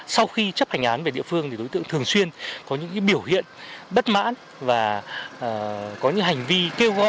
sau khi chấp hành án về địa phương thì đối tượng thường xuyên có những biểu hiện bất mãn và có những hành vi kêu gọi